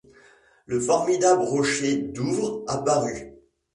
Le formidable rocher Douvres apparut.